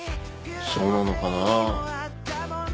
そうなのかなぁ。